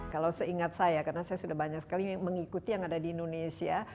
kalau seingat saya karena saya sudah banyak sekali yang mengikuti yang ada di indonesia